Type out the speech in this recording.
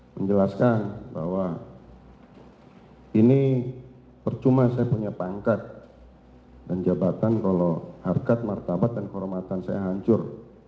menjelaskan bahwa ini percuma saya punya pangkat dan jabatan kalau harkat martabat dan kehormatan saya hancur